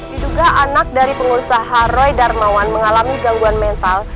diduga anak dari pengusaha roy darmawan mengalami gangguan mental